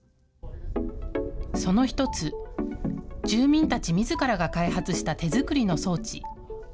その１つ、住民たちみずからが開発した手作りの装置。